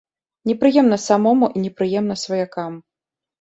Непрыемна самому і непрыемна сваякам.